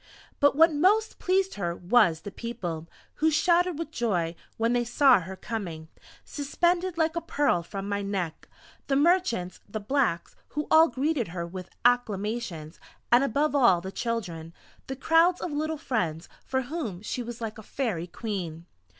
But what most pleased her was the People, who shouted with joy, when they saw her coming, suspended like a Pearl from my neck! The merchants, the blacks, who all greeted her with acclamations and above all the children, the crowds of little friends, for whom she was like a Fairy Queen.